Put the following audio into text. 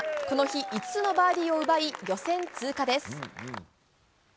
この日、５つのバーディーを奪い予選通過です。